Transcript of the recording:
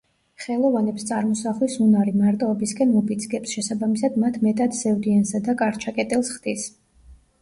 ხელოვანებს წარმოსახვის უნარი, მარტოობისკენ უბიძგებს, შესაბამისად მათ მეტად სევდიანსა და კარჩაკეტილს ხდის.